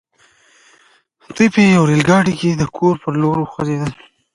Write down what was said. دوی په يوه ريل ګاډي کې د کور پر لور وخوځېدل.